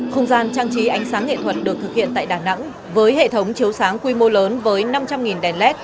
không gian trang trí ánh sáng nghệ thuật được thực hiện tại đà nẵng với hệ thống chiếu sáng quy mô lớn với năm trăm linh đèn led